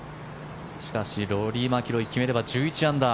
しかしローリー・マキロイ決めれば１１アンダー。